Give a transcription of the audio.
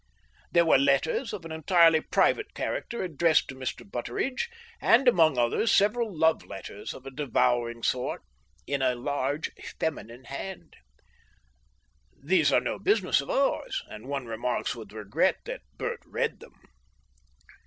There were letters of an entirely private character addressed to Mr. Butteridge, and among others several love letters of a devouring sort in a large feminine hand. These are no business of ours, and one remarks with regret that Bert read them.